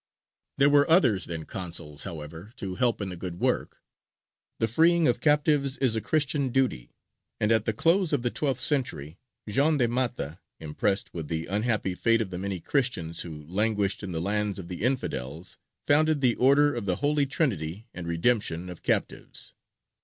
There were others than consuls, however, to help in the good work. The freeing of captives is a Christian duty, and at the close of the twelfth century Jean de Matha, impressed with the unhappy fate of the many Christians who languished in the lands of the infidels, founded the "Order of the Holy Trinity and Redemption of Captives."